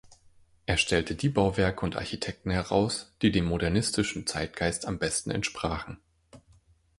Er stellte die Bauwerke und Architekten heraus, die dem modernistischen Zeitgeist am besten entsprachen.